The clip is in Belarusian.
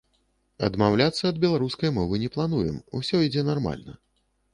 Адмаўляцца ад беларускай мовы не плануем, усё ідзе нармальна.